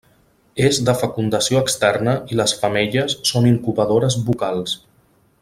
És de fecundació externa i les femelles són incubadores bucals.